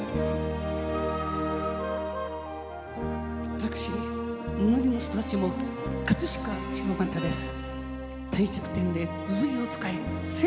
私生まれも育ちも葛飾柴又です